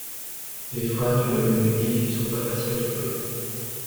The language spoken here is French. Les phrases du domaine publique sont pas faciles à trouver.